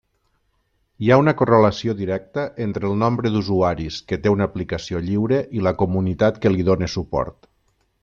Hi ha una correlació directa entre el nombre d'usuaris que té una aplicació lliure i la comunitat que li dóna suport.